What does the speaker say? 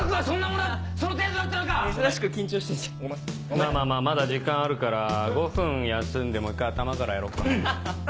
まぁまぁまだ時間あるから５分休んでもう一回頭からやろっか。